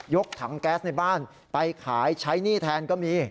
กถังแก๊สในบ้านไปขายใช้หนี้แทนก็มี